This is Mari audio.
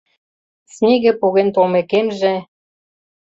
Снеге поген толмекемже